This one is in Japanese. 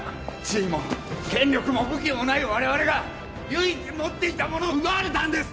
地位も権力も武器もない我々が唯一持っていたものを奪われたんです！